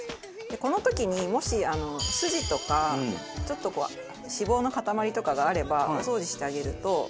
この時にもし筋とかちょっとこう脂肪の塊とかがあればお掃除してあげると。